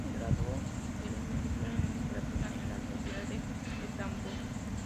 Se graduó de licenciatura en literatura en la Universidad de Estambul.